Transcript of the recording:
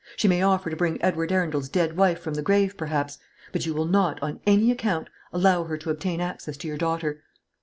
She may offer to bring Edward Arundel's dead wife from the grave, perhaps. But you will not, on any account, allow her to obtain access to your daughter."